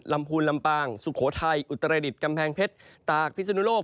ลำพูนลำปางสุโขทัยอุตรายฤทธิ์กำแพงเพชรตากพิสุนุโลก